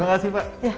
selamat pagi pak